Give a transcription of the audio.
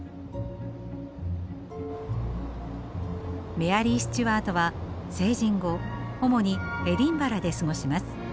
メアリー・スチュアートは成人後主にエディンバラで過ごします。